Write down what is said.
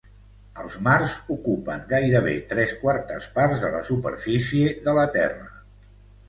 Els mars ocupen gairebé tres quartes parts de la superfície de la Terra.